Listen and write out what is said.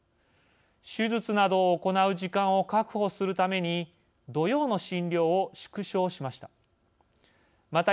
手術などを行う時間を確保するために土曜の診療を縮小しました。